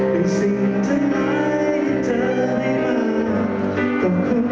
เป็นสิ่งที่ไหมเธอ